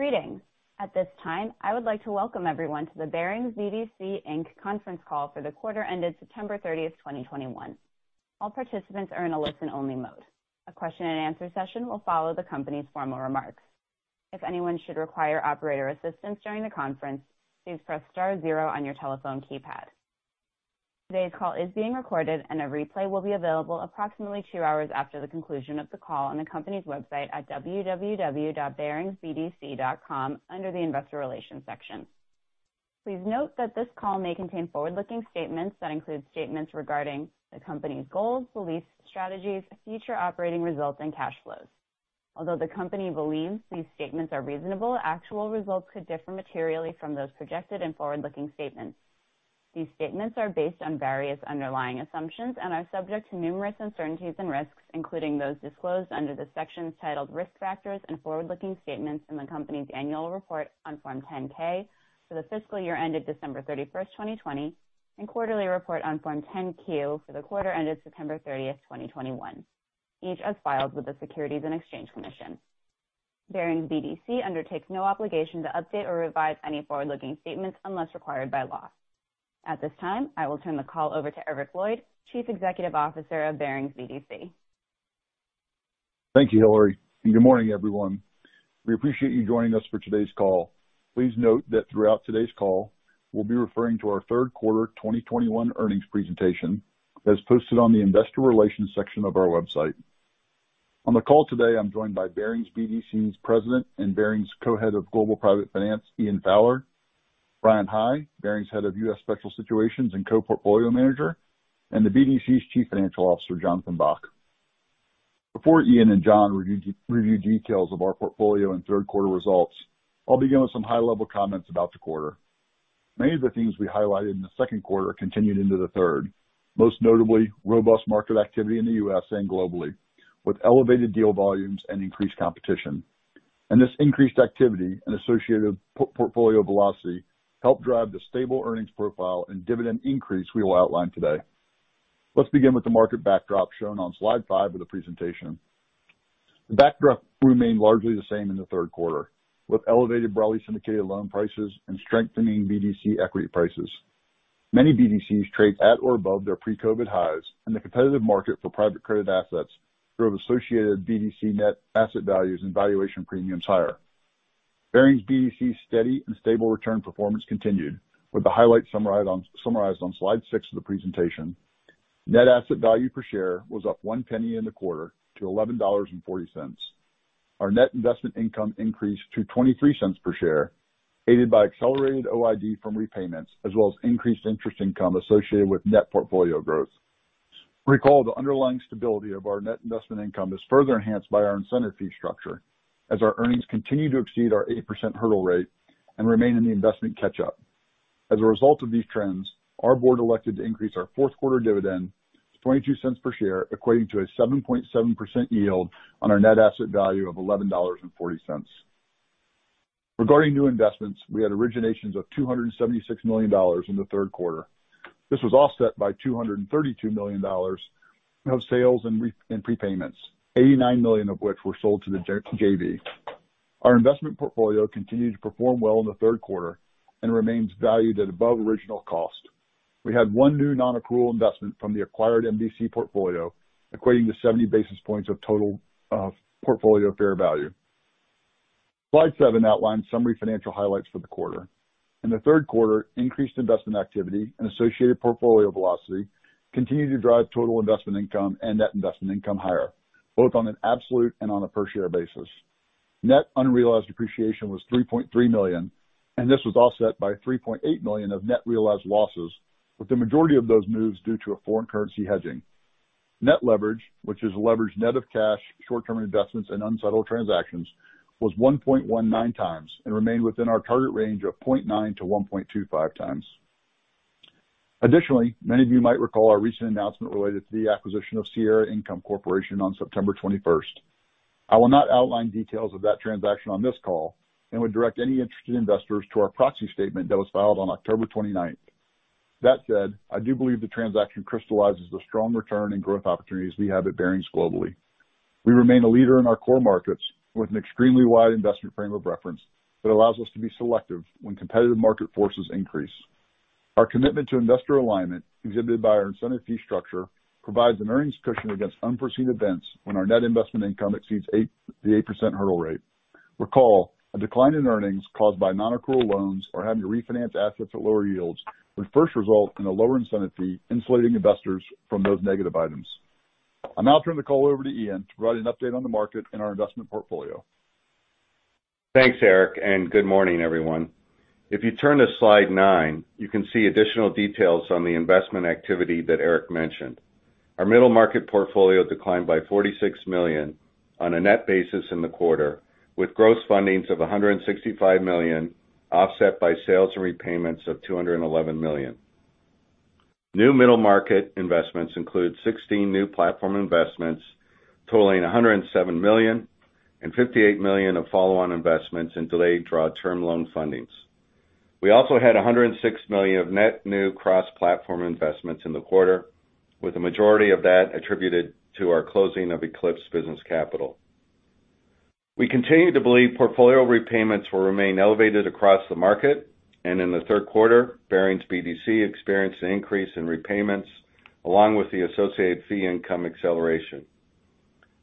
Greetings. At this time, I would like to welcome everyone to the Barings BDC, Inc. conference call for the quarter ended September 30, 2021. All participants are in a listen-only mode. A question and answer session will follow the company's formal remarks. If anyone should require operator assistance during the conference, please press star zero on your telephone keypad. Today's call is being recorded, and a replay will be available approximately two hours after the conclusion of the call on the company's website at www.baringsbdc.com under the Investor Relations section. Please note that this call may contain forward-looking statements that include statements regarding the company's goals, release strategies, future operating results, and cash flows. Although the company believes these statements are reasonable, actual results could differ materially from those projected in forward-looking statements. These statements are based on various underlying assumptions and are subject to numerous uncertainties and risks, including those disclosed under the sections titled Risk Factors and Forward-Looking Statements in the company's annual report on Form 10-K for the fiscal year ended December 31, 2020, and quarterly report on Form 10-Q for the quarter ended September 30, 2021, each as filed with the Securities and Exchange Commission. Barings BDC undertakes no obligation to update or revise any forward-looking statements unless required by law. At this time, I will turn the call over to Eric Lloyd, Chief Executive Officer of Barings BDC. Thank you, Hillary, and good morning, everyone. We appreciate you joining us for today's call. Please note that throughout today's call, we'll be referring to our Q3 2021 earnings presentation as posted on the investor relations section of our website. On the call today, I'm joined by Barings BDC's President and Barings Co-Head of Global Private Finance, Ian Fowler. Bryan High, Barings Head of U.S. Special Situations and Co-Portfolio Manager, and the BDC's Chief Financial Officer, Jonathan Bock. Before Ian and Jon review details of our portfolio and Q3 results, I'll begin with some high-level comments about the quarter. Many of the things we highlighted in the Q2 continued into the third, most notably robust market activity in the U.S. and globally, with elevated deal volumes and increased competition. And this increased activity and associated portfolio velocity helped drive the stable earnings profile and dividend increase we will outline today. Let's begin with the market backdrop shown on slide five of the presentation. The backdrop remained largely the same in the Q3, with elevated broadly syndicated loan prices and strengthening BDC equity prices. Many BDCs trade at or above their pre-COVID highs, and the competitive market for private credit assets drove associated BDC net asset values and valuation premiums higher. Barings BDC's steady and stable return performance continued, with the highlights summarized on slide six of the presentation. Net asset value per share was up $0.01 in the quarter to $11.40. Our net investment income increased to $0.23 per share, aided by accelerated OID from repayments as well as increased interest income associated with net portfolio growth. Recall, the underlying stability of our net investment income is further enhanced by our incentive fee structure as our earnings continue to exceed our 8% hurdle rate and remain in the investment catch-up. As a result of these trends, our board elected to increase our Q4 dividend to $0.22 per share, equating to a 7.7% yield on our net asset value of $11.40. Regarding new investments, we had originations of $276 million in the Q3. This was offset by $232 million of sales, repayments, and prepayments, $89 million of which were sold to the Jocassee JV. Our investment portfolio continued to perform well in the Q3 and remains valued at above original cost. We had one new non-accrual investment from the acquired MVC portfolio, equating to 70 basis points of total portfolio fair value. Slide seven outlines summary financial highlights for the quarter. In the Q3, increased investment activity and associated portfolio velocity continued to drive total investment income and net investment income higher, both on an absolute and on a per share basis. Net unrealized appreciation was $3.3 million, and this was offset by $3.8 million of net realized losses, with the majority of those moves due to a foreign currency hedging. Net leverage, which is leverage net of cash, short-term investments, and unsettled transactions, was 1.19x and remained within our target range of 0.9-1.25x. Additionally, many of you might recall our recent announcement related to the acquisition of Sierra Income Corporation on September 21. I will not outline details of that transaction on this call and would direct any interested investors to our proxy statement that was filed on October 29. That said, I do believe the transaction crystallizes the strong return and growth opportunities we have at Barings globally. We remain a leader in our core markets with an extremely wide investment frame of reference that allows us to be selective when competitive market forces increase. Our commitment to investor alignment, exhibited by our incentive fee structure, provides an earnings cushion against unforeseen events when our net investment income exceeds 8%, the 8% hurdle rate. Recall, a decline in earnings caused by non-accrual loans or having to refinance assets at lower yields would first result in a lower incentive fee, insulating investors from those negative items. I'll now turn the call over to Ian to provide an update on the market and our investment portfolio. Thanks, Eric, and good morning, everyone. If you turn to slide nine, you can see additional details on the investment activity that Eric mentioned. Our middle market portfolio declined by $46 million on a net basis in the quarter, with gross fundings of $165 million, offset by sales and repayments of $211 million. New middle market investments include 16 new platform investments totaling $107 million and $58 million of follow-on investments in delayed draw term loan fundings. We also had $106 million of net new cross-platform investments in the quarter, with the majority of that attributed to our closing of Eclipse Business Capital. We continue to believe portfolio repayments will remain elevated across the market, and in the Q3, Barings BDC experienced an increase in repayments along with the associated fee income acceleration.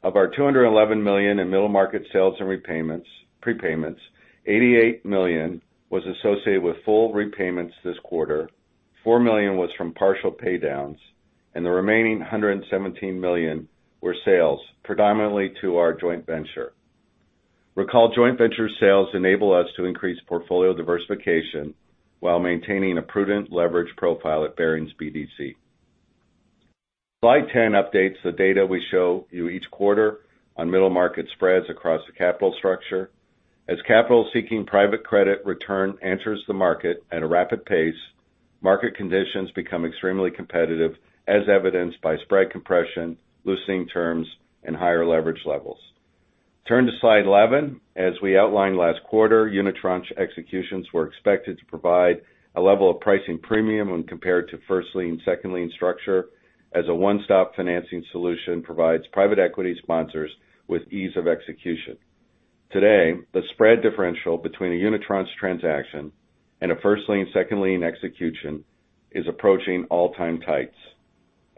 Of our $211 million in middle market sales and prepayments, $88 million was associated with full repayments this quarter, $4 million was from partial pay downs, and the remaining $117 million were sales predominantly to our joint venture. Recall joint venture sales enable us to increase portfolio diversification while maintaining a prudent leverage profile at Barings BDC. Slide 10 updates the data we show you each quarter on middle market spreads across the capital structure. As capital-seeking private credit return enters the market at a rapid pace, market conditions become extremely competitive as evidenced by spread compression, loosening terms, and higher leverage levels. Turn to slide 11. As we outlined last quarter, unitranche executions were expected to provide a level of pricing premium when compared to first lien, second lien structure as a one-stop financing solution provides private equity sponsors with ease of execution. Today, the spread differential between a unitranche transaction and a first lien, second lien execution is approaching all-time tights.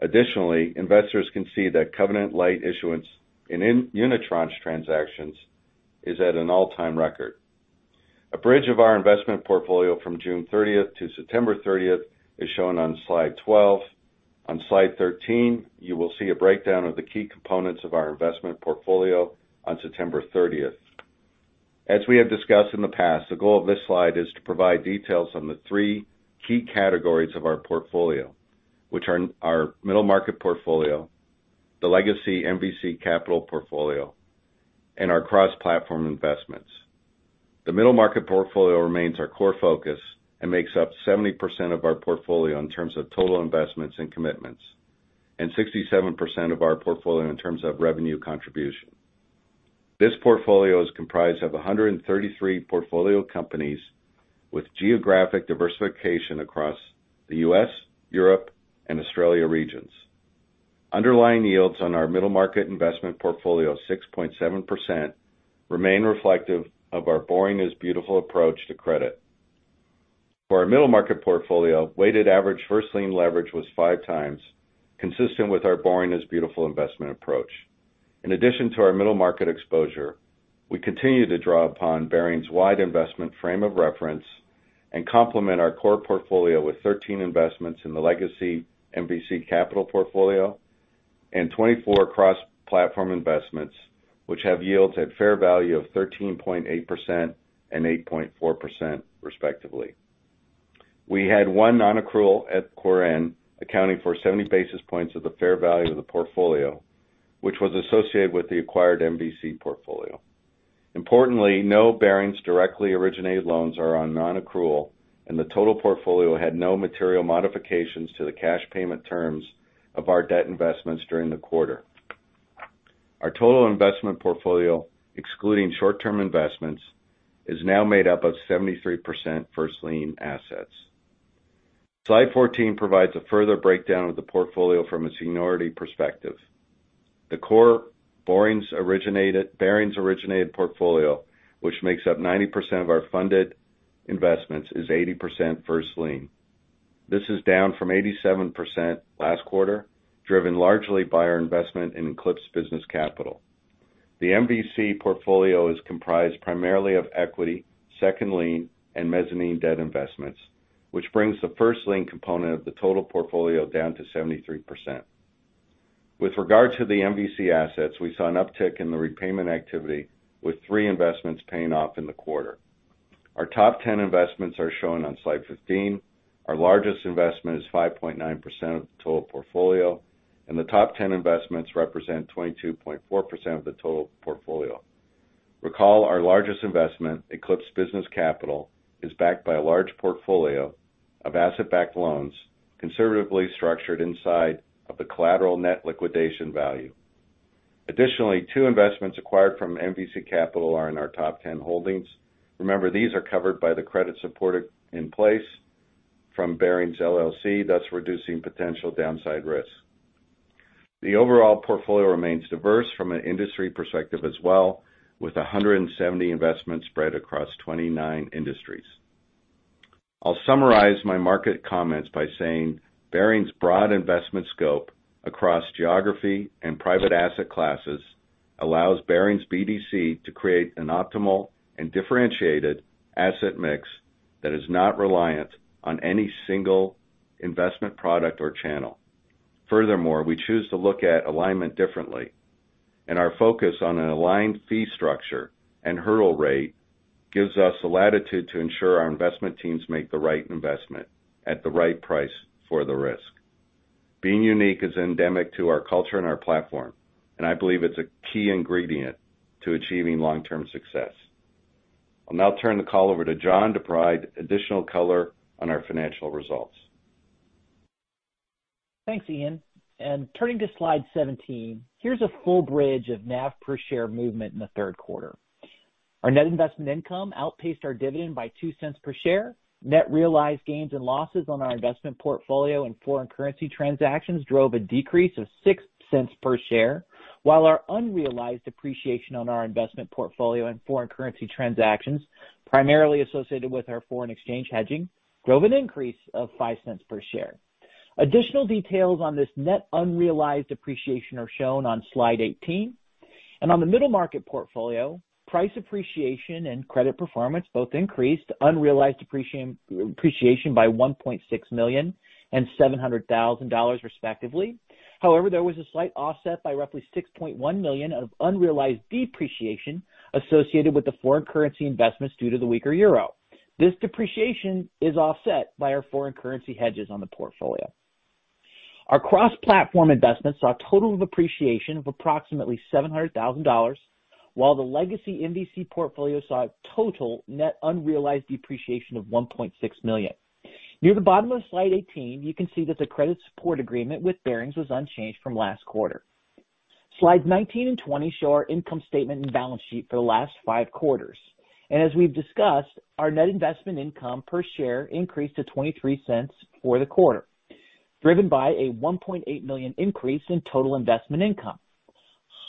Additionally, investors can see that covenant-lite issuance in unitranche transactions is at an all-time record. A bridge of our investment portfolio from June 30-September 30 is shown on slide 12. On slide 13, you will see a breakdown of the key components of our investment portfolio on September 30. As we have discussed in the past, the goal of this slide is to provide details on the three key categories of our portfolio, which are our middle market portfolio, the legacy MVC Capital portfolio, and our cross-platform investments. The middle market portfolio remains our core focus and makes up 70% of our portfolio in terms of total investments and commitments, and 67% of our portfolio in terms of revenue contribution. This portfolio is comprised of 133 portfolio companies with geographic diversification across the U.S., Europe, and Australia regions. Underlying yields on our middle market investment portfolio of 6.7% remain reflective of our boring is beautiful approach to credit. For our middle market portfolio, weighted average first lien leverage was 5x consistent with our boring is beautiful investment approach. In addition to our middle market exposure, we continue to draw upon Barings' wide investment frame of reference and complement our core portfolio with 13 investments in the legacy MVC Capital portfolio and 24 cross-platform investments, which have yields at fair value of 13.8% and 8.4% respectively. We had one non-accrual at quarter end accounting for 70 basis points of the fair value of the portfolio, which was associated with the acquired MVC portfolio. Importantly, no Barings directly originated loans are on non-accrual, and the total portfolio had no material modifications to the cash payment terms of our debt investments during the quarter. Our total investment portfolio, excluding short-term investments, is now made up of 73% first lien assets. Slide 14 provides a further breakdown of the portfolio from a seniority perspective. The core Barings originated portfolio, which makes up 90% of our funded investments, is 80% first lien. This is down from 87% last quarter, driven largely by our investment in Eclipse Business Capital. The MVC portfolio is comprised primarily of equity, second lien, and mezzanine debt investments, which brings the first lien component of the total portfolio down to 73%. With regard to the MVC assets, we saw an uptick in the repayment activity with three investments paying off in the quarter. Our top 10 investments are shown on slide 15. Our largest investment is 5.9% of the total portfolio, and the top 10 investments represent 22.4% of the total portfolio. Recall our largest investment, Eclipse Business Capital, is backed by a large portfolio of asset-backed loans conservatively structured inside of the collateral net liquidation value. Additionally, two investments acquired from MVC Capital are in our top 10 holdings. Remember, these are covered by the credit support in place from Barings LLC, thus reducing potential downside risks. The overall portfolio remains diverse from an industry perspective as well, with 170 investments spread across 29 industries. I'll summarize my market comments by saying Barings' broad investment scope across geography and private asset classes allows Barings BDC to create an optimal and differentiated asset mix that is not reliant on any single investment product or channel. Furthermore, we choose to look at alignment differently, and our focus on an aligned fee structure and hurdle rate gives us the latitude to ensure our investment teams make the right investment at the right price for the risk. Being unique is endemic to our culture and our platform, and I believe it's a key ingredient to achieving long-term success. I'll now turn the call over to Jon to provide additional color on our financial results. Thanks, Ian. And turning to slide 17, here's a full bridge of NAV per share movement in the Q3. Our net investment income outpaced our dividend by $0.02 per share. Net realized gains and losses on our investment portfolio and foreign currency transactions drove a decrease of $0.06 per share. While our unrealized appreciation on our investment portfolio and foreign currency transactions, primarily associated with our foreign exchange hedging, drove an increase of $0.05 per share. Additional details on this net unrealized appreciation are shown on slide 18. On the middle market portfolio, price appreciation and credit performance both increased unrealized appreciation by $1.6 million and $700,000 respectively. However, there was a slight offset by roughly $6.1 million of unrealized depreciation associated with the foreign currency investments due to the weaker euro. This depreciation is offset by our foreign currency hedges on the portfolio. Our cross-platform investments saw a total of appreciation of approximately $700,000, while the legacy MVC portfolio saw a total net unrealized depreciation of $1.6 million. Near the bottom of slide 18, you can see that the credit support agreement with Barings was unchanged from last quarter. Slides 19 and 20 show our income statement and balance sheet for the last five quarters. And as we've discussed, our net investment income per share increased to $0.23 for the quarter, driven by a $1.8 million increase in total investment income.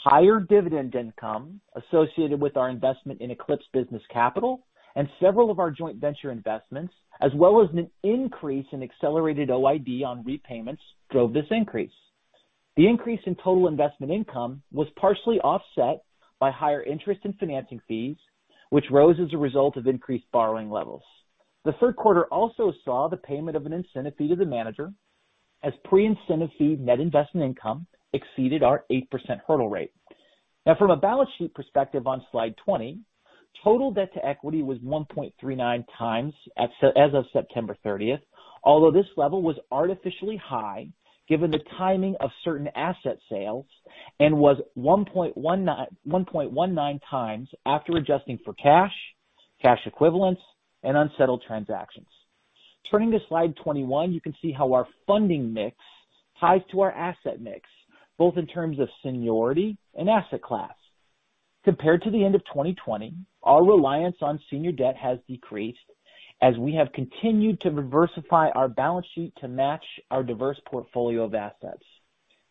Higher dividend income associated with our investment in Eclipse Business Capital and several of our joint venture investments, as well as an increase in accelerated OID on repayments drove this increase. The increase in total investment income was partially offset by higher interest in financing fees, which rose as a result of increased borrowing levels. The Q3 also saw the payment of an incentive fee to the manager as pre-incentive fee net investment income exceeded our 8% hurdle rate. Now from a balance sheet perspective on slide 20, total debt to equity was 1.39x as of September 30. Although this level was artificially high, given the timing of certain asset sales, and was 1.19x after adjusting for cash equivalents, and unsettled transactions. Turning to slide 21, you can see how our funding mix ties to our asset mix, both in terms of seniority and asset class. Compared to the end of 2020, our reliance on senior debt has decreased as we have continued to diversify our balance sheet to match our diverse portfolio of assets.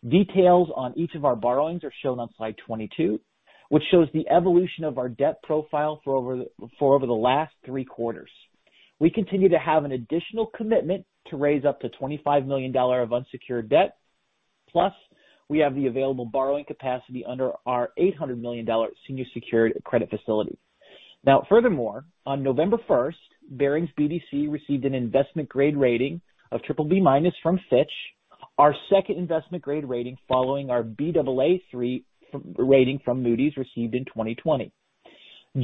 Details on each of our borrowings are shown on slide 22, which shows the evolution of our debt profile for over the last three quarters. We continue to have an additional commitment to raise up to $25 million of unsecured debt, plus we have the available borrowing capacity under our $800 million senior secured credit facility. Now furthermore, on November 1, Barings BDC received an investment grade rating of BBB- from Fitch, our second investment grade rating following our Baa3 rating from Moody's received in 2020.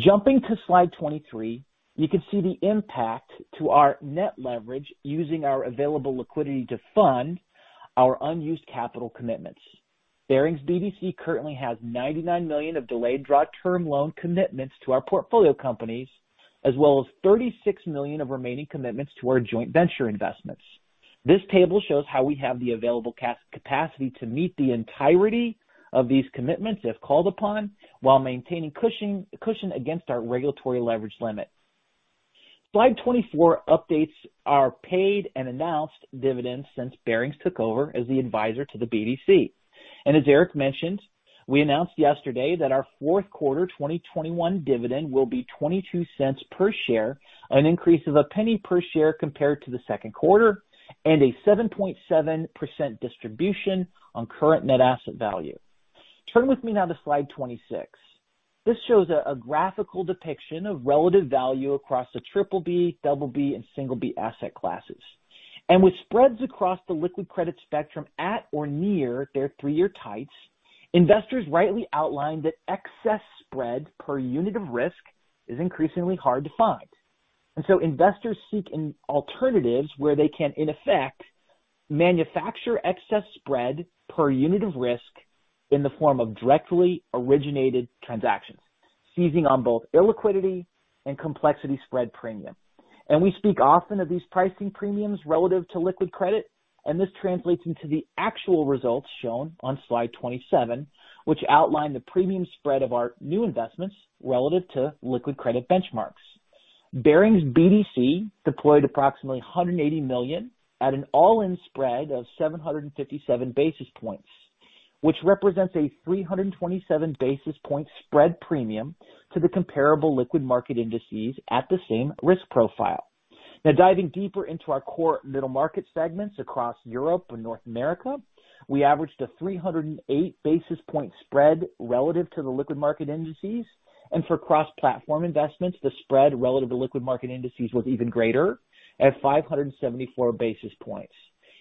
Jumping to slide 23, you can see the impact to our net leverage using our available liquidity to fund our unused capital commitments. Barings BDC currently has $99 million of delayed draw term loan commitments to our portfolio companies, as well as $36 million of remaining commitments to our joint venture investments. This table shows how we have the available capacity to meet the entirety of these commitments, if called upon, while maintaining cushion against our regulatory leverage limit. Slide 24 updates our paid and announced dividends since Barings took over as the advisor to the BDC. And as Eric mentioned, we announced yesterday that our Q4 2021 dividend will be $0.22 per share, an increase of $0.01 per share compared to the Q2, and a 7.7% distribution on current net asset value. Turn with me now to Slide 26. This shows a graphical depiction of relative value across the triple B, double B, and single B asset classes. And with spreads across the liquid credit spectrum at or near their three-year tights, investors rightly outlined that excess spread per unit of risk is increasingly hard to find. So investors seek alternatives where they can in effect manufacture excess spread per unit of risk in the form of directly originated transactions, seizing on both illiquidity and complexity spread premium. And we speak often of these pricing premiums relative to liquid credit, and this translates into the actual results shown on slide 27, which outline the premium spread of our new investments relative to liquid credit benchmarks. Barings BDC deployed approximately $180 million at an all-in spread of 757 basis points, which represents a 327 basis point spread premium to the comparable liquid market indices at the same risk profile. Now, diving deeper into our core middle market segments across Europe and North America, we averaged a 308 basis point spread relative to the liquid market indices. And for cross-platform investments, the spread relative to liquid market indices was even greater at 574 basis points.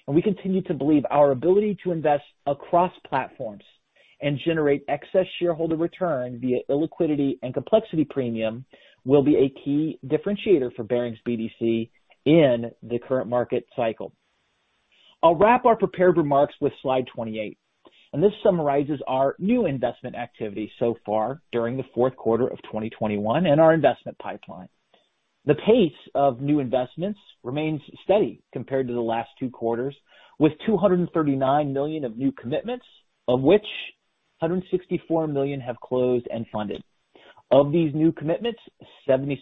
We continue to believe our ability to invest across platforms and generate excess shareholder return via illiquidity and complexity premium will be a key differentiator for Barings BDC in the current market cycle. I'll wrap our prepared remarks with slide 28, and this summarizes our new investment activity so far during the Q4 of 2021 and our investment pipeline. The pace of new investments remains steady compared to the last two quarters, with $239 million of new commitments, of which $164 million have closed and funded. Of these new commitments, 76%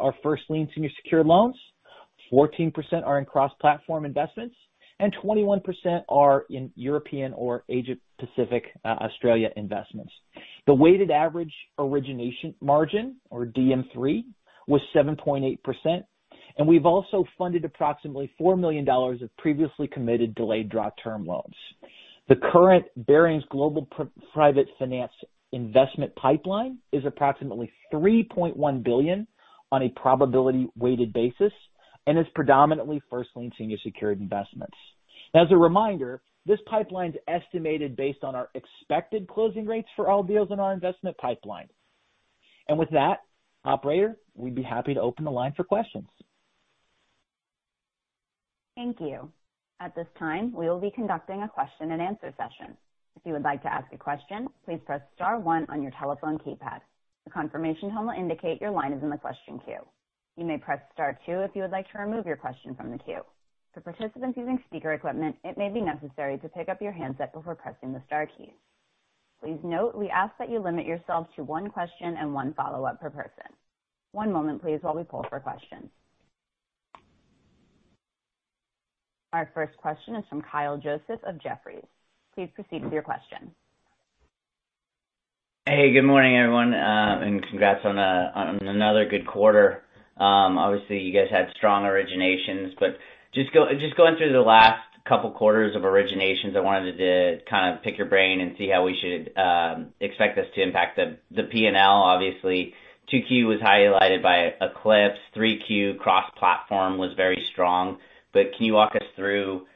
are first lien senior secured loans, 14% are in cross-platform investments, and 21% are in European or Asia-Pacific, Australia investments. The weighted average origination margin, or DM3, was 7.8%, and we've also funded approximately $4 million of previously committed delayed draw term loans. The current Barings Global Private Finance investment pipeline is approximately $3.1 billion on a probability weighted basis and is predominantly first lien senior secured investments. As a reminder, this pipeline's estimated based on our expected closing rates for all deals in our investment pipeline. And with that, operator, we'd be happy to open the line for questions. Thank you. At this time, we will be conducting a question-and-answer session. If you would like to ask a question, please press star one on your telephone keypad. A confirmation tone will indicate your line is in the question queue. You may press star two if you would like to remove your question from the queue. For participants using speaker equipment, it may be necessary to pick up your handset before pressing the star key. Please note we ask that you limit yourselves to one question and one follow-up per person. One moment, please, while we pull for questions. Our first question is from Kyle Joseph of Jefferies. Please proceed with your question. Hey, good morning, everyone, and congrats on another good quarter. Obviously you guys had strong originations, but just going through the last couple quarters of originations, I wanted to kind of pick your brain and see how we should expect this to impact the P&L. Obviously, 2Q was highlighted by Eclipse, 3Q cross-platform was very strong. But can you walk us through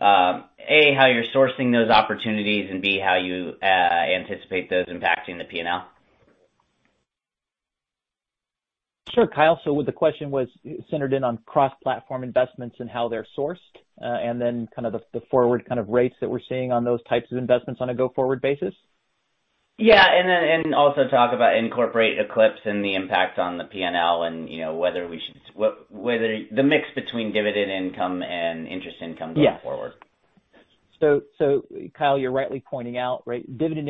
A, how you're sourcing those opportunities, and B, how you anticipate those impacting the P&L? Sure, Kyle. So the question was centered on cross-platform investments and how they're sourced, and then kind of the forward kind of rates that we're seeing on those types of investments on a go-forward basis. Yeah. And then talk about incorporating Eclipse and the impact on the P&L and, you know, whether the mix between dividend income and interest income going forward. So, so Kyle, you're rightly pointing out, dividend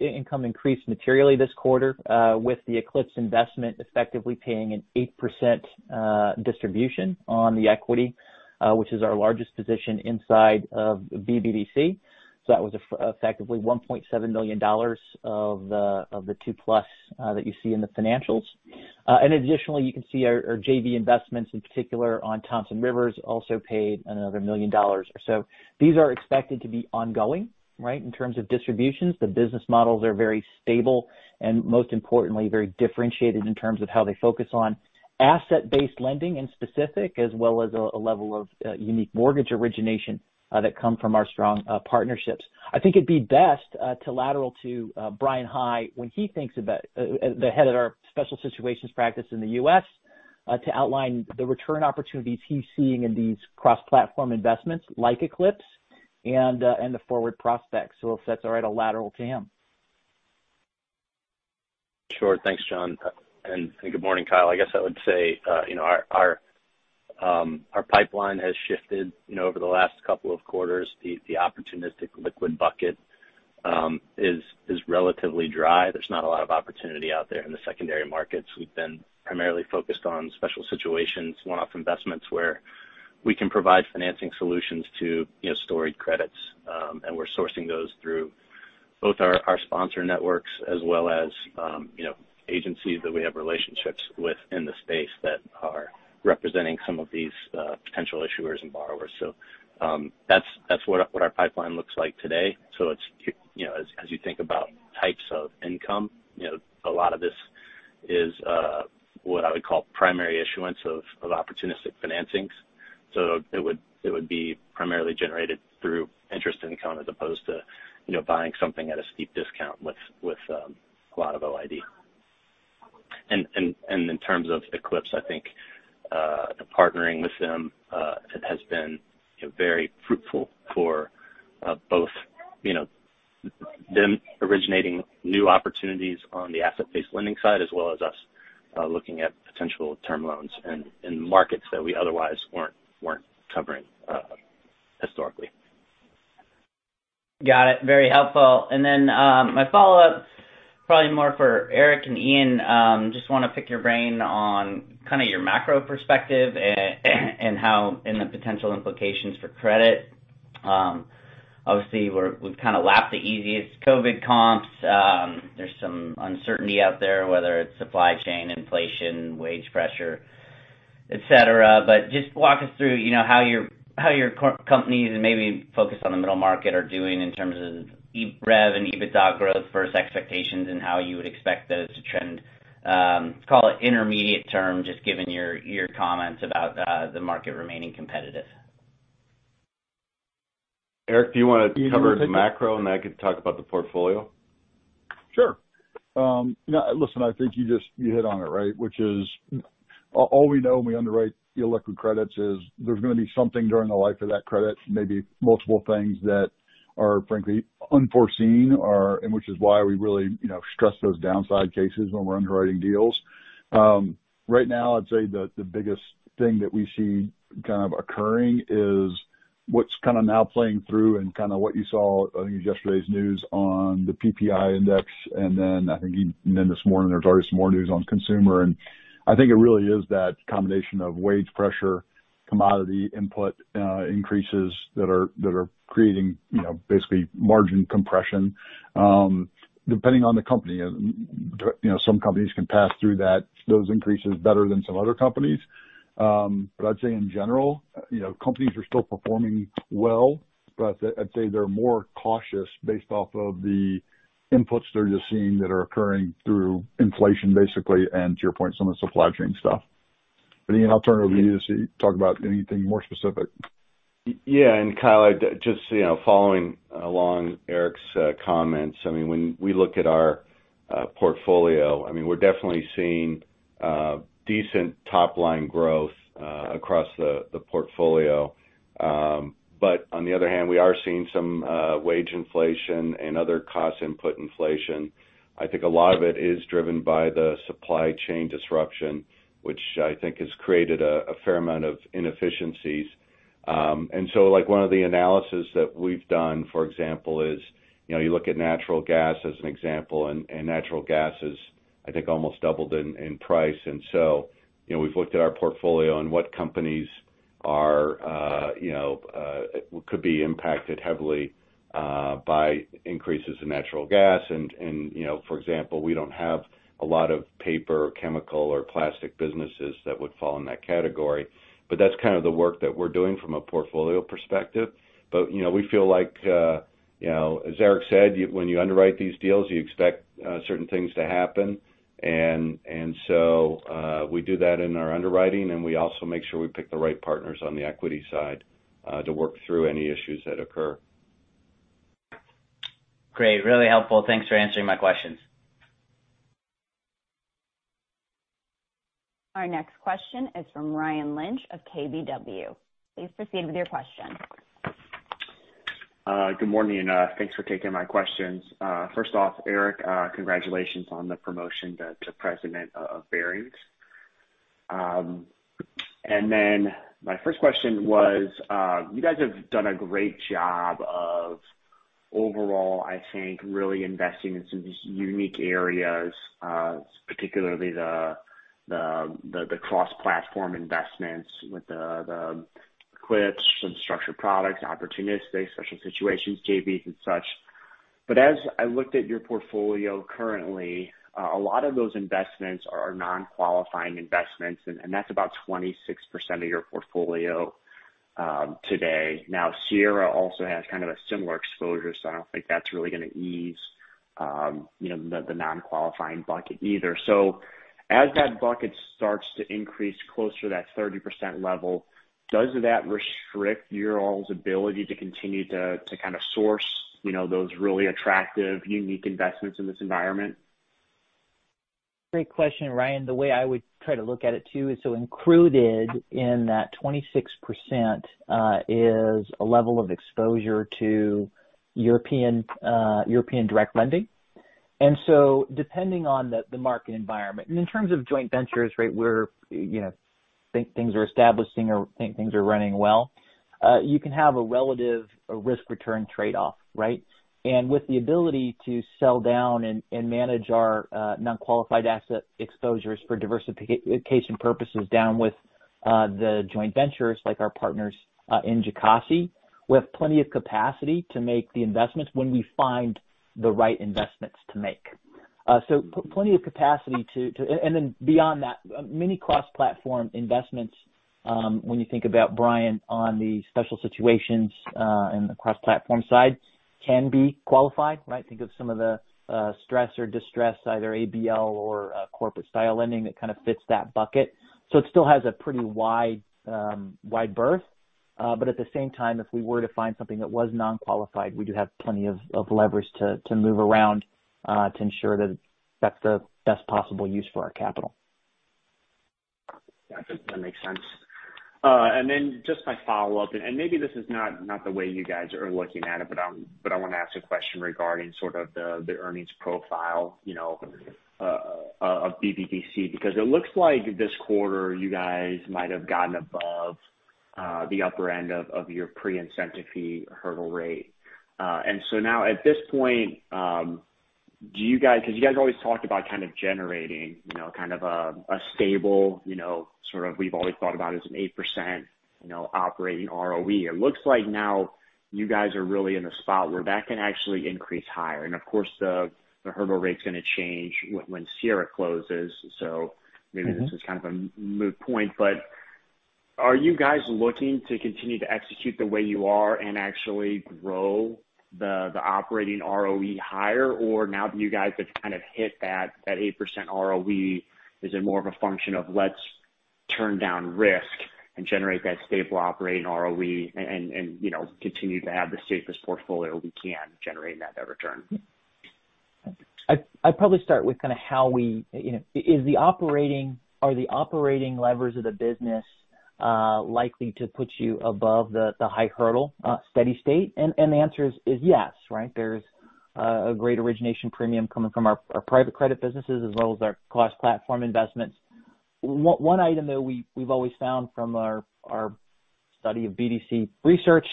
income increased materially this quarter, with the Eclipse investment effectively paying an 8% distribution on the equity, which is our largest position inside of BBDC. So that was effectively $1.7 million of the $2 million plus that you see in the financials. And additionally, you can see our JV investments in particular on Thompson Rivers also paid another $1 million or so. These are expected to be ongoing in terms of distributions. The business models are very stable and most importantly, very differentiated in terms of how they focus on asset-based lending in specific, as well as a level of unique mortgage origination that come from our strong partnerships. I think it'd be best to lateral to Bryan High, when he thinks about the head of our special situations practice in the U.S., to outline the return opportunities he's seeing in these cross-platform investments like Eclipse and the forward prospects. So if that's all right, I'll lateral to him. Sure. Thanks, Jon, and good morning, Kyle. I guess I would say, you know, our pipeline has shifted, you know, over the last couple of quarters. The opportunistic liquid bucket is relatively dry. There's not a lot of opportunity out there in the secondary markets. We've been primarily focused on special situations, one-off investments where we can provide financing solutions to, you know, storied credits. And we're sourcing those through both our sponsor networks as well as, you know, agencies that we have relationships with in the space that are representing some of these potential issuers and borrowers. So that's what our pipeline looks like today. It's, you know, as you think about types of income, you know, a lot of this is what I would call primary issuance of opportunistic financings. So it would be primarily generated through interest income as opposed to, you know, buying something at a steep discount with a lot of OID. And in terms of Eclipse, I think partnering with them has been, you know, very fruitful for both, you know, them originating new opportunities on the asset-based lending side, as well as us looking at potential term loans in markets that we otherwise weren't covering historically. Got it. Very helpful. And then, my follow-up probably more for Eric and Ian. Just wanna pick your brain on kind of your macro perspective and the potential implications for credit. Obviously we've kind of lapped the easiest COVID comps. There's some uncertainty out there, whether it's supply chain, inflation, wage pressure, et cetera. But just walk us through, you know, how your companies maybe focused on the middle market are doing in terms of rev and EBITDA growth versus expectations and how you would expect those to trend, let's call it intermediate term, just given your comments about the market remaining competitive. Eric, do you wanna cover the macro, and I could talk about the portfolio? Sure. You know, listen, I think you hit on it, right? Which is all we know when we underwrite illiquid credits is there's gonna be something during the life of that credit, maybe multiple things that are frankly unforeseen, and which is why we really, you know, stress those downside cases when we're underwriting deals. Right now I'd say the biggest thing that we see kind of occurring is what's kind of now playing through and kind of what you saw, I think in yesterday's news on the PPI index. And I think even then this morning there's already some more news on consumer, and I think it really is that combination of wage pressure, commodity input increases that are creating, you know, basically margin compression. Depending on the company, you know, some companies can pass through that, those increases better than some other companies. I'd say in general, you know, companies are still performing well, but I'd say they're more cautious based off of the inputs they're just seeing that are occurring through inflation, basically, and to your point, some of the supply chain stuff. Ian, I'll turn it over to you to see, talk about anything more specific. Yeah, and Kyle, I just, you know, following along Eric's comments. I mean, when we look at our portfolio, I mean, we're definitely seeing decent top line growth across the portfolio. But on the other hand, we are seeing some wage inflation and other cost input inflation. I think a lot of it is driven by the supply chain disruption, which I think has created a fair amount of inefficiencies. And so like one of the analysis that we've done, for example, is, you know, you look at natural gas as an example, and natural gas is, I think, almost doubled in price. And so, you know, we've looked at our portfolio and what companies are, you know, could be impacted heavily by increases in natural gas. And you know, for example, we don't have a lot of paper or chemical or plastic businesses that would fall in that category. But that's kind of the work that we're doing from a portfolio perspective. But you know, we feel like, you know, as Eric said, when you underwrite these deals, you expect certain things to happen. And so we do that in our underwriting, and we also make sure we pick the right partners on the equity side to work through any issues that occur. Great. Really helpful. Thanks for answering my questions. Our next question is from Ryan Lynch of KBW. Please proceed with your question. Good morning and thanks for taking my questions. First off, Eric, congratulations on the promotion to President of Barings. And then my first question was, you guys have done a great job of overall, I think, really investing in some of these unique areas, particularly the cross-platform investments with the Eclipse and structured products, opportunistic special situations, JVs and such. But as I looked at your portfolio currently, a lot of those investments are non-qualifying investments, and that's about 26% of your portfolio today. Now, Sierra also has kind of a similar exposure, so I don't think that's really gonna ease you know the non-qualifying bucket either. So as that bucket starts to increase closer to that 30% level, does that restrict your all's ability to continue to kind of source, you know, those really attractive, unique investments in this environment? Great question, Ryan. The way I would try to look at it, too, is so included in that 26%, is a level of exposure to European direct lending. And so depending on the market environment and in terms of joint ventures, right, we're thinking things are establishing or thinking things are running well, you can have a relative risk return trade-off, right? And with the ability to sell down and manage our non-qualified asset exposures for diversification purposes down with the joint ventures like our partners in Jocassee, we have plenty of capacity to make the investments when we find the right investments to make. Plenty of capacity to. And then beyond that, many cross-platform investments, when you think about Bryan on the special situations, and the cross-platform side can be qualified, right? Think of some of the stress or distress, either ABL or corporate style lending that kind of fits that bucket. It still has a pretty wide berth. But at the same time, if we were to find something that was non-qualified, we do have plenty of leverage to move around to ensure that that's the best possible use for our capital. Yeah, I think that makes sense. And then just my follow-up, and maybe this is not the way you guys are looking at it, but I wanna ask a question regarding sort of the earnings profile, you know, of BBDC, because it looks like this quarter you guys might have gotten above the upper end of your pre-incentive fee hurdle rate. And so now at this point, do you guys. Because you guys always talked about kind of generating, you know, kind of a stable, you know, sort of we've always thought about as an 8% operating ROE. It looks like now you guys are really in a spot where that can actually increase higher. And of course, the hurdle rate's gonna change when Sierra closes. So maybe this is kind of a moot point, but are you guys looking to continue to execute the way you are and actually grow the operating ROE higher? Or now that you guys have kind of hit that 8% ROE, is it more of a function of let's turn down risk and generate that stable operating ROE and you know, continue to have the safest portfolio we can generating that return? I'd probably start with kind of how we, you know, are the operating levers of the business likely to put you above the high hurdle steady state? And the answer is yes, right? There's a great origination premium coming from our private credit businesses as well as our cross-platform investments. One item that we've always found from our study of BDC research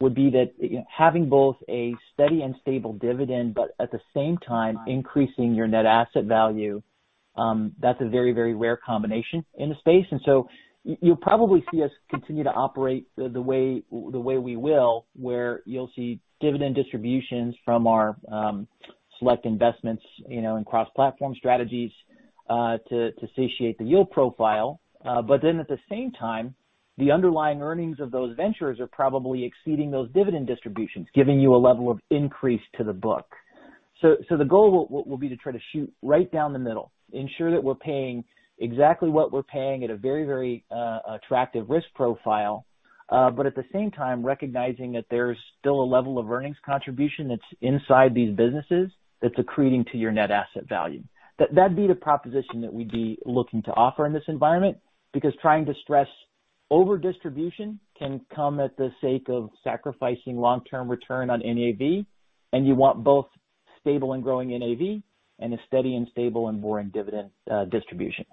would be that, you know, having both a steady and stable dividend, but at the same time increasing your net asset value, that's a very rare combination in the space. And so, you'll probably see us continue to operate the way we will, where you'll see dividend distributions from our select investments, you know, and cross-platform strategies to satiate the yield profile. But then at the same time, the underlying earnings of those ventures are probably exceeding those dividend distributions, giving you a level of increase to the book. So the goal will be to try to shoot right down the middle, ensure that we're paying exactly what we're paying at a very, very attractive risk profile. But at the same time, recognizing that there's still a level of earnings contribution that's inside these businesses that's accreting to your net asset value. That'd be the proposition that we'd be looking to offer in this environment. Because trying to stress over distribution can come at the expense of sacrificing long-term return on NAV, and you want both stable and growing NAV, and a steady and stable and boring dividend distribution.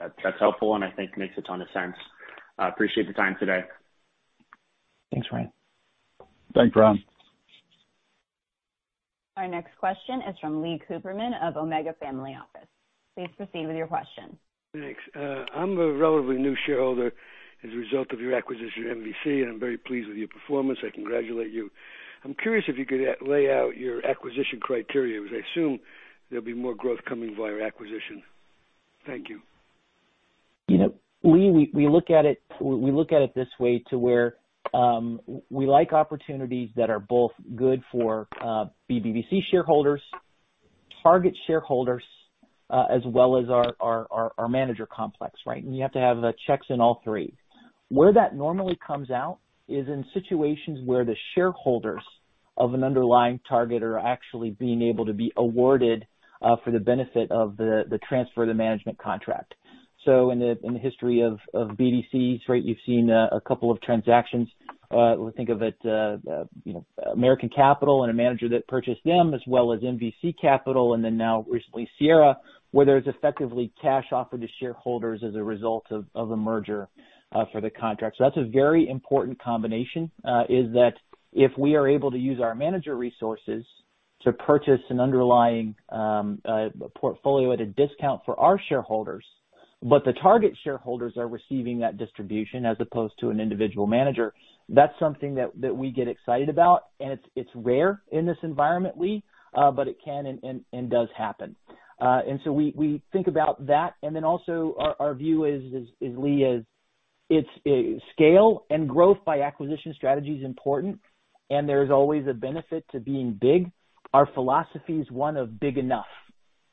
That's helpful, and I think makes a ton of sense. I appreciate the time today. Thanks, Ryan. Thanks, Ryan. Our next question is from Lee Cooperman of Omega Family Office. Please proceed with your question. Thanks. I'm a relatively new shareholder as a result of your acquisition of MVC, and I'm very pleased with your performance. I congratulate you. I'm curious if you could lay out your acquisition criteria, because I assume there'll be more growth coming via acquisition. Thank you. You know, Lee, we look at it, we look at it this way to where we like opportunities that are both good for BBDC shareholders, target shareholders, as well as our manager complex, right? You have to have the checks in all three. Where that normally comes out is in situations where the shareholders of an underlying target are actually being able to be awarded for the benefit of the transfer of the management contract. So in the history of BDCs, right, you've seen a couple of transactions. Think of it, you know, American Capital and a manager that purchased them as well as MVC Capital and then now recently Sierra, where there's effectively cash offered to shareholders as a result of a merger for the contract. That's a very important combination is that if we are able to use our manager resources to purchase an underlying portfolio at a discount for our shareholders, but the target shareholders are receiving that distribution as opposed to an individual manager. That's something that we get excited about. It's rare in this environment, Lee, but it can and does happen. And so we think about that. Then also our view is, Lee, it's scale and growth by acquisition strategy is important, and there's always a benefit to being big. Our philosophy is one of big enough.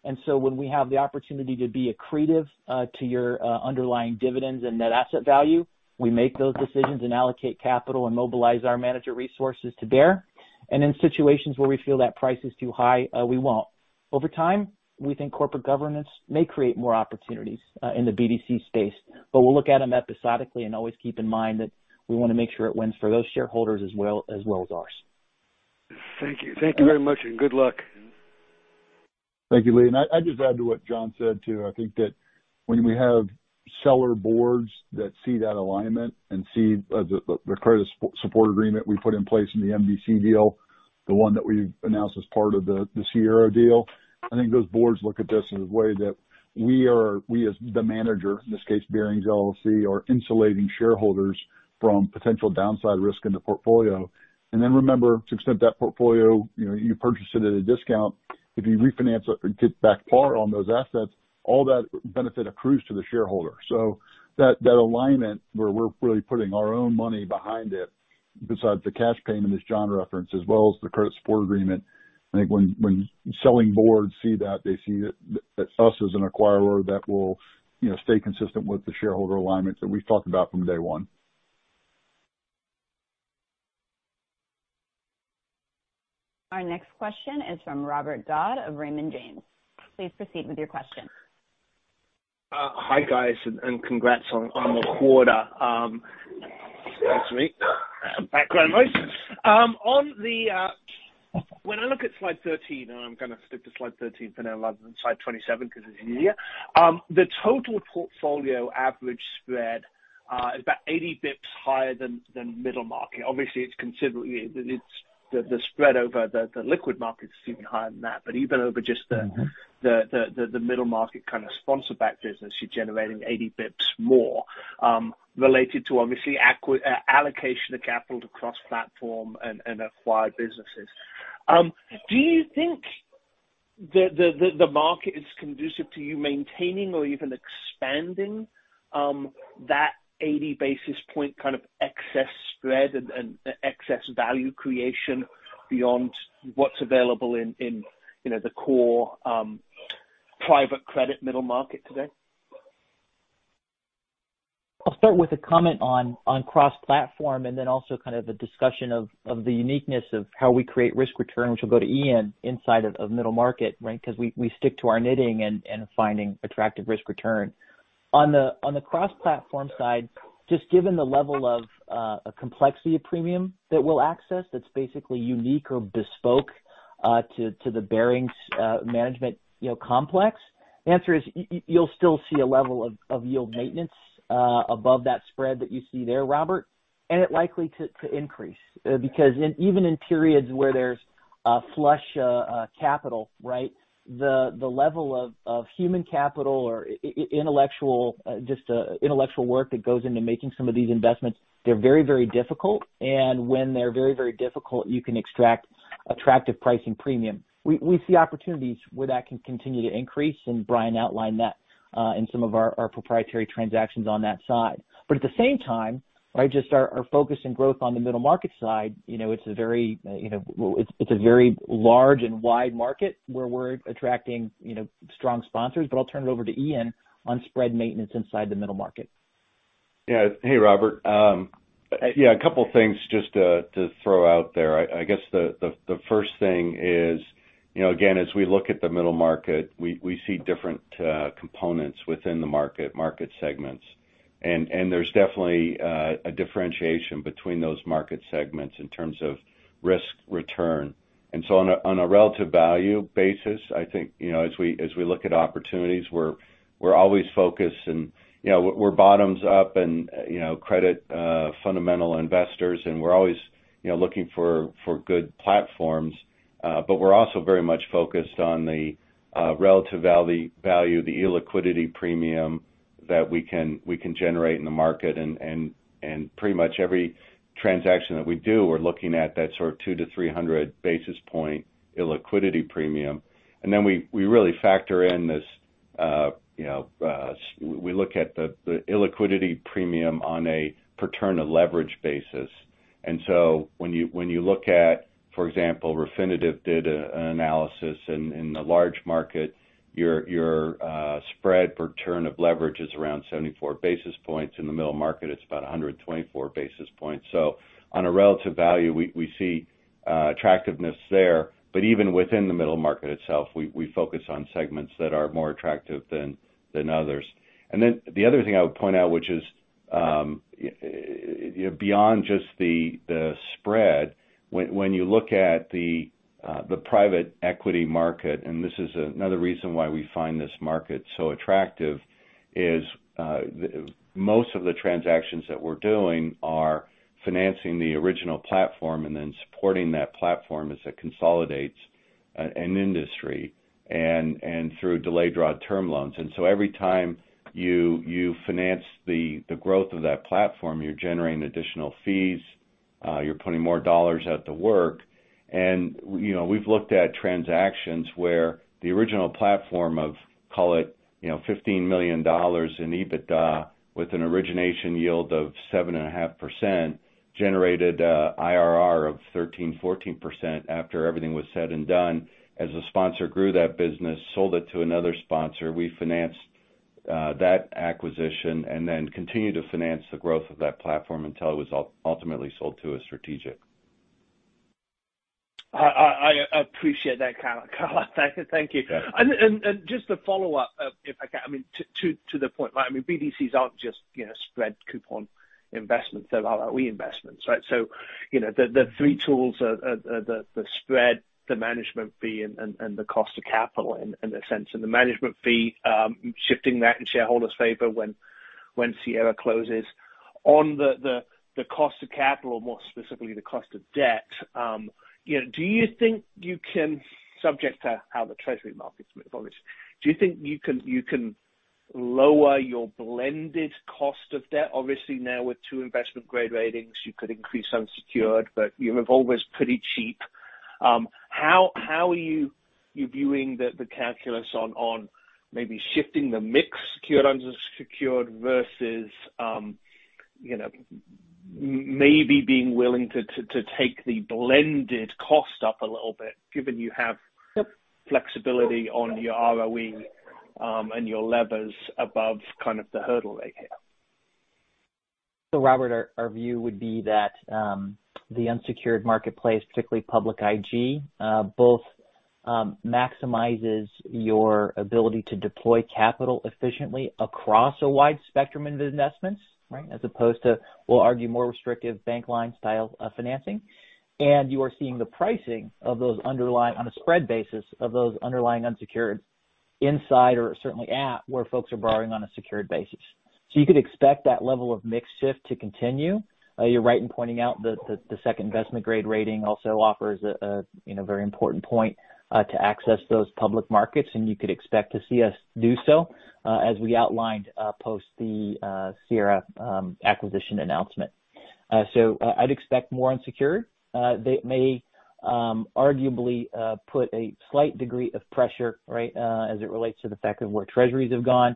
And so when we have the opportunity to be accretive to your underlying dividends and net asset value, we make those decisions and allocate capital and mobilize our manager resources to bear. And in situations where we feel that price is too high, we won't. Over time, we think corporate governance may create more opportunities in the BDC space. But we'll look at them episodically and always keep in mind that we want to make sure it wins for those shareholders as well as ours. Thank you. Thank you very much and good luck. Thank you, Lee. I just add to what Jon said, too. I think that when we have seller boards that see that alignment and see the credit support agreement we put in place in the MVC deal, the one that we've announced as part of the Sierra deal. I think those boards look at this as a way that we are, we as the manager, in this case, Barings LLC, are insulating shareholders from potential downside risk in the portfolio. Then remember, to extend that portfolio, you know, you purchased it at a discount. If you refinance it and get back par on those assets, all that benefit accrues to the shareholder. So, that alignment where we're really putting our own money behind it, besides the cash paying in this John reference, as well as the credit support agreement. I think when selling boards see that, they see us as an acquirer that will, you know, stay consistent with the shareholder alignment that we've talked about from day one. Our next question is from Robert Dodd of Raymond James. Please proceed with your question. Hi, guys, and congrats on the quarter. Excuse me. On the... When I look at slide 13, and I'm gonna stick to slide 13 for now rather than slide 27 because it's easier. The total portfolio average spread is about 80 basis points higher than middle market. Obviously, it's considerably. The spread over the liquid market is even higher than that. Even over just the... Mm-hmm. The, the middle market kind of sponsor-backed business, you're generating 80 basis points more, related to obviously allocation of capital to cross-platform and acquired businesses. Do you think the market is conducive to you maintaining or even expanding that 80 basis point kind of excess spread and excess value creation beyond what's available in, you know, the core private credit middle market today? I'll start with a comment on cross-platform and then also kind of a discussion of the uniqueness of how we create risk return, which will go to Ian inside of middle market, right? Because we stick to our knitting and finding attractive risk return. On the cross-platform side, just given the level of a complexity of premium that we'll access that's basically unique or bespoke to the Barings management, you know, complex. The answer is you'll still see a level of yield maintenance above that spread that you see there, Robert, and it likely to increase. Because even in periods where there's flush capital, right? The level of human capital or intellectual just intellectual work that goes into making some of these investments, they're very difficult. And when they're very, very difficult, you can extract attractive pricing premium. We see opportunities where that can continue to increase, and Bryan outlined that in some of our proprietary transactions on that side. At the same time, right, just our focus and growth on the middle market side. You know, it's a very large and wide market where we're attracting, you know, strong sponsors. I'll turn it over to Ian on spread maintenance inside the middle market. Yeah. Hey, Robert. Yeah, a couple things just to throw out there. I guess the first thing is, you know, again, as we look at the middle market, we see different components within the market segments. And there's definitely a differentiation between those market segments in terms of risk return. And so on a relative value basis, I think, you know, as we look at opportunities, we're always focused and, you know, credit fundamental investors, and we're always looking for good platforms. But we're also very much focused on the relative value, the illiquidity premium that we can generate in the market. And pretty much every transaction that we do, we're looking at that sort of 200-300 basis point illiquidity premium. We really factor in this illiquidity premium on a per turn of leverage basis. And so when you look at, for example, Refinitiv did an analysis in the large market, your spread per turn of leverage is around 74 basis points. In the middle market, it's about 124 basis points. So on a relative value, we see attractiveness there. But even within the middle market itself, we focus on segments that are more attractive than others. And then the other thing I would point out, which is, you know, beyond just the spread, when you look at the private equity market, and this is another reason why we find this market so attractive, is, most of the transactions that we're doing are financing the original platform and then supporting that platform as it consolidates an industry and through delayed draw term loans. And so every time you finance the growth of that platform, you're generating additional fees, you're putting more dollars out to work. And, you know, we've looked at transactions where the original platform of, call it, you know, $15 million in EBITDA with an origination yield of 7.5%, generated IRR of 13%-14% after everything was said and done. As the sponsor grew that business, sold it to another sponsor. We financed that acquisition and then continued to finance the growth of that platform until it was ultimately sold to a strategic. I appreciate that, Kyle. Kyle, thank you. Yeah. Just to follow up, if I can. I mean, to the point, right? I mean, BDCs aren't just, you know, spread coupon investments. They're ROE investments, right? So, you know, the three tools are the spread, the management fee and the cost of capital in a sense. The management fee, shifting that in shareholders' favor when Sierra closes. On the cost of capital, more specifically the cost of debt, you know, do you think you can subject to how the treasury market's moved, obviously. Do you think you can, you can lower your blended cost of debt? Obviously, now with two investment-grade ratings, you could increase unsecured, but your revolver is pretty cheap. How are you viewing the calculus on maybe shifting the mix secured, unsecured versus, you know, maybe being willing to take the blended cost up a little bit given you have- Yep. Flexibility on your ROE, and your levers above kind of the hurdle rate here? Robert, our view would be that the unsecured marketplace, particularly public IG, maximizes your ability to deploy capital efficiently across a wide spectrum of investments, right? As opposed to, we'll argue, more restrictive bank line style financing. And you are seeing the pricing of those underlying on a spread basis of those underlying unsecured inside or certainly at where folks are borrowing on a secured basis. You could expect that level of mix shift to continue. You're right in pointing out the second investment grade rating also offers a you know, very important point to access those public markets, and you could expect to see us do so, as we outlined post the Sierra acquisition announcement. So I'd expect more unsecured. They may arguably put a slight degree of pressure, right, as it relates to the fact of where Treasuries have gone.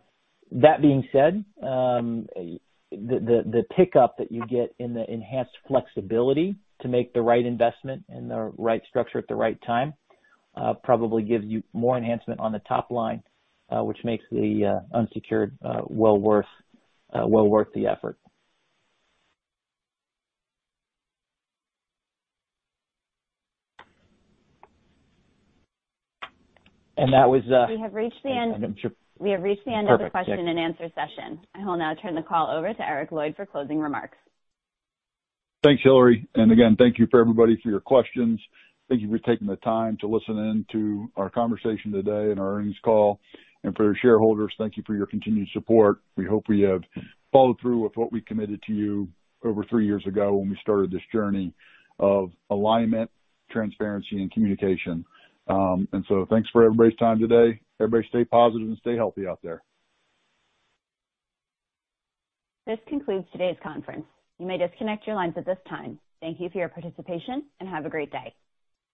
That being said, the pickup that you get in the enhanced flexibility to make the right investment in the right structure at the right time probably gives you more enhancement on the top line, which makes the unsecured well worth the effort. We have reached the end. I'm not sure. We have reached the end. Perfect. Thank you. Of the question and answer session. I will now turn the call over to Eric Lloyd for closing remarks. Thanks, Hillary. And again, thank you for everybody for your questions. Thank you for taking the time to listen in to our conversation today and our earnings call. And for our shareholders, thank you for your continued support. We hope we have followed through with what we committed to you over three years ago when we started this journey of alignment, transparency, and communication. Thanks for everybody's time today. Everybody stay positive and stay healthy out there. This concludes today's conference. You may disconnect your lines at this time. Thank you for your participation, and have a great day.